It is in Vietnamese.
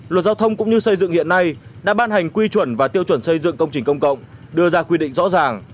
luật giao thông cũng như xây dựng hiện nay đã ban hành quy chuẩn và tiêu chuẩn xây dựng công trình công cộng đưa ra quy định rõ ràng